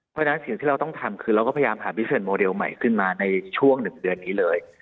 เพราะฉะนั้นสิ่งที่เราต้องทำคือเราก็พยายามหาพิเศษโมเดลใหม่ขึ้นมาในช่วง๑เดือนนี้เลย